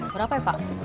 berapa ya pak